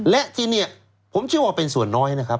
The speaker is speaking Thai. และที่นี่ผมเชื่อว่าเป็นส่วนน้อยนะครับ